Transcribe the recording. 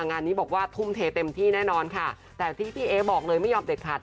งานนี้บอกว่าทุ่มเทเต็มที่แน่นอนค่ะแต่ที่พี่เอ๊บอกเลยไม่ยอมเด็ดขาด